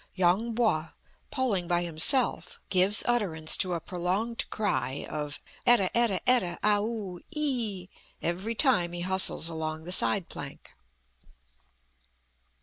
Yung Po, poling by himself, gives utterance to a prolonged cry of "Atta atta atta aaoo ii," every time he hustles along the side plank.